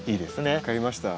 分かりました。